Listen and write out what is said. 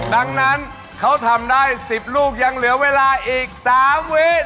ดังนั้นเขาทำได้๑๐ลูกยังเหลือเวลาอีก๓วิ